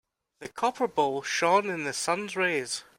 The copper bowl shone in the sun's rays.